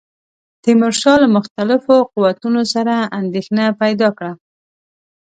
تیمورشاه له مختلفو قوتونو سره اندېښنه پیدا کړه.